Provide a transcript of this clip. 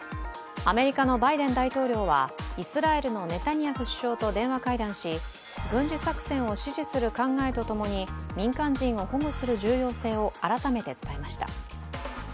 アメリカのバイデン大統領はイスラエルのネタニヤフ首相と電話会談し軍事作戦を支持する考えとともに民間人を保護する重要性を改めて伝えました。